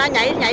đúng không đâu